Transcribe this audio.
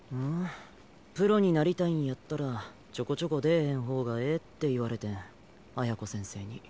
プロになりたいんやったらちょこちょこ出ぇへん方がええって言われてん綾子先生に。